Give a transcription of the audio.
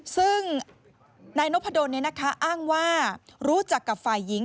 ซึ่งนายนพดลอ้างว่ารู้จักกับฝ่ายหญิง